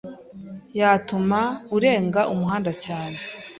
yatuma urenga umuhanda cyane